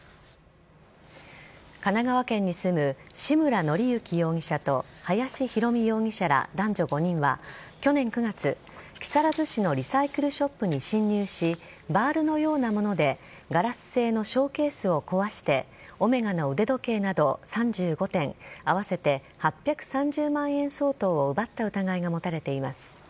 神奈川県に住む志村律之容疑者と林弘美容疑者ら男女５人は去年９月木更津市のリサイクルショップに侵入しバールのようなものでガラス製のショーケースを壊してオメガの腕時計など３５点合わせて８３０万円相当を奪った疑いが持たれています。